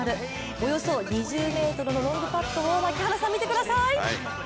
およそ２０ｍのロングパットを槙原さん、見てください。